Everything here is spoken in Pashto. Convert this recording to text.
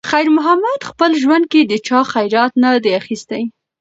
خیر محمد په خپل ژوند کې د چا خیرات نه دی اخیستی.